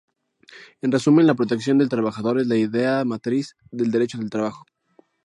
En resumen la protección del trabajador es la idea matriz del derecho del trabajo.